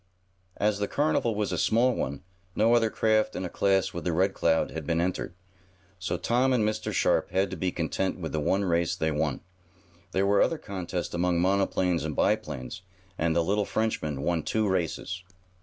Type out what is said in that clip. As the carnival was a small one, no other craft in a class with the Red Cloud had been entered, so Tom and Mr. Sharp had to be content with the one race they won. There were other contests among monoplanes and biplanes, and the little Frenchman won two races.